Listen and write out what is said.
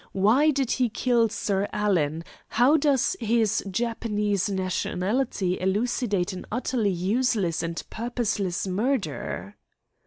Why did he kill Sir Alan? How does his Japanese nationality elucidate an utterly useless and purposeless murder?"